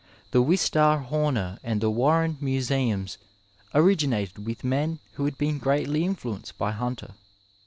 The Wistar Homer and the Warren museums oiigiiiated with men who had been greatly influenoed by Himter.